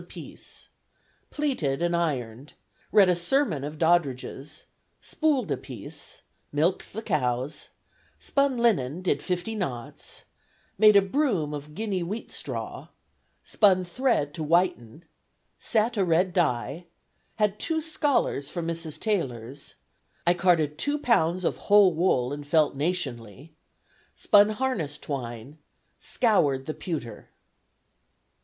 apiece, Pleated and ironed, Read a Sermon of Doddridge's, Spooled a piece, Milked the cows, Spun linen, did 50 knots, Made a Broom of Guinea wheat straw, Spun thread to whiten, Set a Red dye, Had two scholars from Mrs. Taylors, I carded two pounds of whole wool and felt Nationly, Spun harness twine, Scoured the pewter."